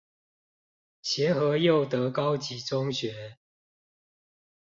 協和祐德高級中學